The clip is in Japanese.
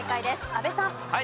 阿部さん。